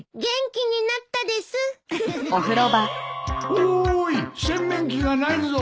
おい洗面器がないぞ！